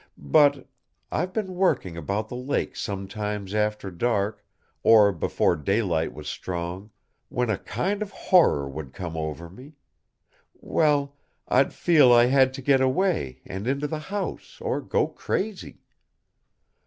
But I've been working about the lake sometimes after dark or before daylight was strong, when a kind of horror would come over me well, I'd feel I had to get away and into the house or go crazy.